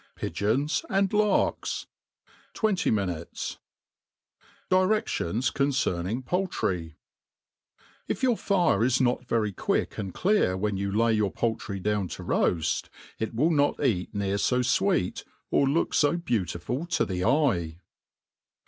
PIGEONS and LARKS. Twenty minujbes.' . DirMUkns cancerHi/tg Pmdtff. '' IF your fire is not very quick and clear whea yote lay yoiif poultry down to roaft, it wUl not eatftear fo fweet, or look fo besuttful to the eye.